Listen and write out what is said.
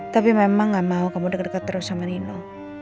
tapi memang gak mau kamu deket deket terus sama nino